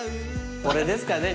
これですかね